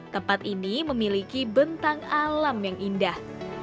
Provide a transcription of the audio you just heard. tempat ini memiliki bentang alam yang indah